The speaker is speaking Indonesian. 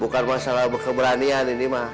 bukan masalah keberanian ini mah